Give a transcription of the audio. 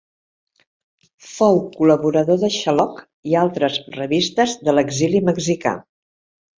Fou col·laborador de Xaloc i altres revistes de l'exili mexicà.